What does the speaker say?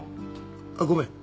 あっごめん。